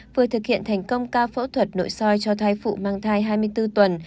vừa thực hiện thành công ca phẫu thuật nội soi cho thai phụ mang thai hai mươi bốn tuần